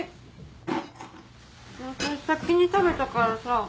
あたし先に食べたからさ。